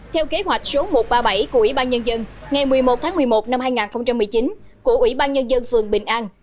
theo kế hoạch số một trăm ba mươi bảy của ủy ban nhân dân ngày một mươi một tháng một mươi một năm hai nghìn một mươi chín của ủy ban nhân dân phường bình an